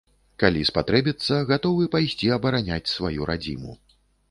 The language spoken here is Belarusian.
Калі спатрэбіцца, гатовы пайсці абараняць сваю радзіму.